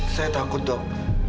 saya takut dok